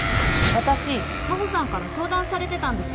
私真帆さんから相談されてたんですよ